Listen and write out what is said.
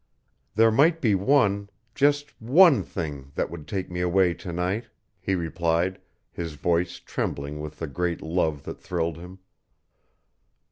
"There might be one just one thing that would take me away to night," he replied, his voice trembling with the great love that thrilled him.